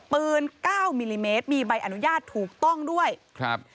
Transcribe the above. เก้ามิลลิเมตรมีใบอนุญาตถูกต้องด้วยครับ